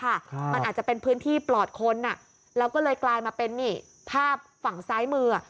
มันอาจจะเป็นพื้นที่ปลอดค้นอ่ะเราเลยกลายมาเป็นภาพฝั่งซ้ายมือ